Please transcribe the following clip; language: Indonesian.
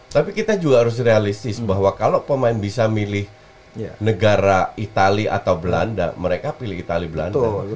tapi kita juga harus realistis bahwa kalau pemain bisa milih negara itali atau belanda mereka pilih itali belanda